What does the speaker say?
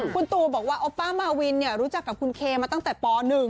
คุณตูบอกว่าโอป้ามาวินรู้จักกับคุณเคมาตั้งแต่ป๑